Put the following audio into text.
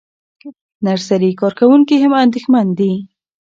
نرسري کارکوونکي هم اندېښمن دي.